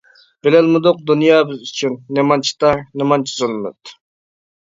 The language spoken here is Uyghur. بىلەلمىدۇق دۇنيا بىز ئۈچۈن، نېمانچە تار، نېمانچە زۇلمەت.